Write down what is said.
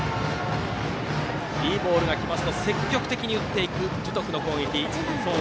いいボールが来ると積極的に打っていく樹徳の攻撃。